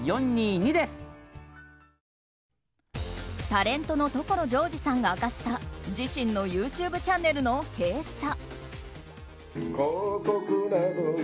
タレントの所ジョージさんが明かした自身のＹｏｕＴｕｂｅチャンネルの閉鎖。